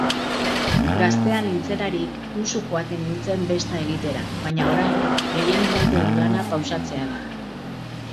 Gaztea nintzelarik usu joaten nintzen besta egitera baina orain gehienik maite dudana pausatzea da.